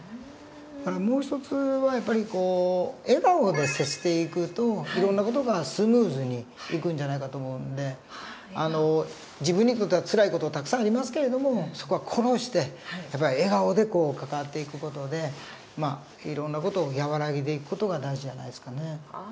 もう一つはやっぱり笑顔で接していくといろんな事がスムーズにいくんじゃないかと思うんであの自分にとってはつらい事たくさんありますけれどもそこは殺してやっぱり笑顔で関わっていく事でまあいろんな事を和らげていく事が大事じゃないですかね。